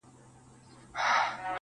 د پوهاند، خلکو درکړي لقبونه.!